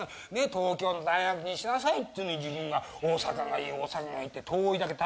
東京の大学にしなさいっていうのに自分が大阪がいい大阪がいいって遠いだけ大変でしょう。